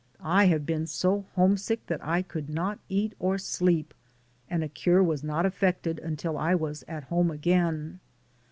I have been so homesick that I could not eat or sleep, and a cure was not effected until I was at home again.